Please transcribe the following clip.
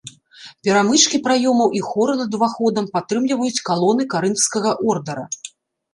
Перамычкі праёмаў і хоры над уваходам падтрымліваюць калоны карынфскага ордара.